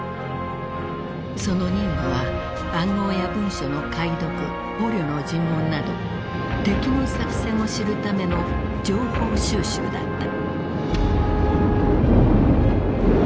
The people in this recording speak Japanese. その任務は暗号や文書の解読捕虜の尋問など敵の作戦を知るための情報収集だった。